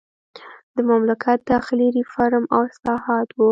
د مملکت داخلي ریفورم او اصلاحات وو.